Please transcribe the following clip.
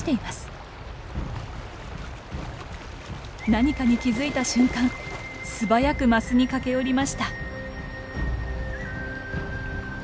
何かに気付いた瞬間素早くマスに駆け寄りました。